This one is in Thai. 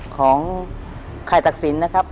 ของไข่ตักศิลป์นะครับ